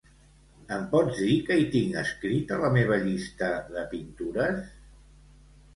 Em pots dir què hi tinc escrit a la meva llista de pintures?